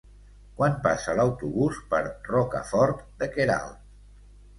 Quan passa l'autobús per Rocafort de Queralt?